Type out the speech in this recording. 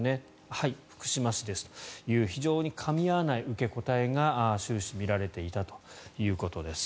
はい、福島市ですという非常にかみ合わない受け答えが終始、見られていたということです。